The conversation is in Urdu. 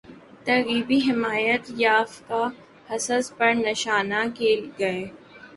ترغیبی حمایتیافتہ حصص پر نشانہ کیے گئے